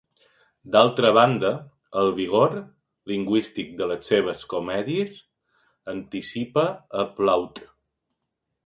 D'altra banda, el vigor lingüístic de les seves comèdies anticipa a Plaute.